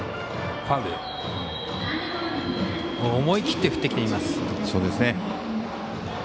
思い切って振ってきています。